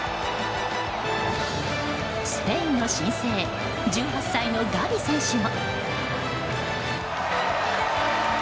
スペインの新星１８歳のガヴィ選手も。